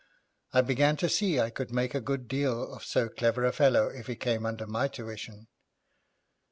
I began to see I could make a good deal of so clever a fellow if he came under my tuition.